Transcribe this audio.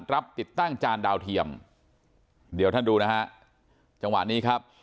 ติดตั้งจานดาวเทียมเดี๋ยวท่านดูนะฮะจังหวะนี้ครับ